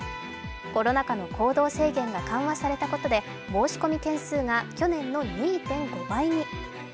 コロナ禍の行動制限が緩和されたことで申込件数が去年の２．５倍に。